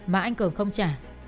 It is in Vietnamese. mà anh cường không trả